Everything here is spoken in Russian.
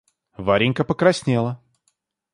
Варенька покраснела.